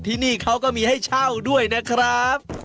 ที่นี่เขาก็มีให้เช่าด้วยนะครับ